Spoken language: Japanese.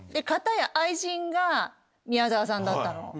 片や愛人が宮沢さんだったの。